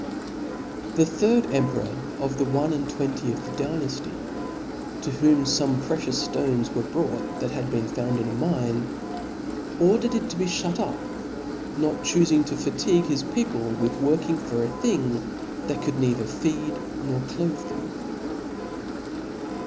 The third emperor of the one aiid twentiedi Dy« <<) Hiftory nafty (), to whom fome precious ftones were arft Dy^ brought that had been found in a mine, ordered it »^y '« to be fliut up, not chufing to fatigue his people Haide s with Working for a thing that could neither feed work. j^Qf clothe them.